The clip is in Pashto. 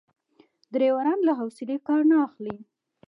ډریوران له حوصلې کار نه اخلي.